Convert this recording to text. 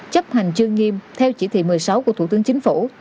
chấp hành chương nghiêm theo chỉ thị một mươi sáu của thủ tướng chính phủ